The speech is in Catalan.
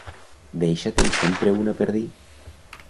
Deixa-te'n sempre una per dir.